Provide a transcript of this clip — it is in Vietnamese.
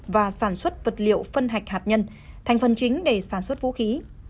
và sản xuất vật liệu phân hạch hạt nhân thành phần chính để sản xuất vũ khí